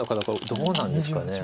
どうなんですか。